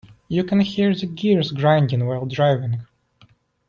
You can hear the gears grinding while driving.